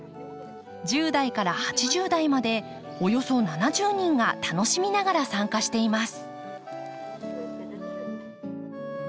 １０代から８０代までおよそ７０人が楽しみながら参加しています。